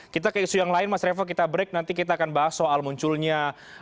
kita ke isu yang lain mas revo kita break nanti kita akan bahas soal munculnya